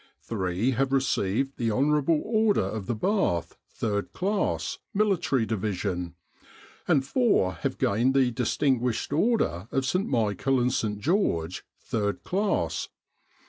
Three have received the Hon. Order of the Bath, 3rd Class, Military Division; and four have gained the Distinguished Order of St. Michael and St. George, 3rd Class.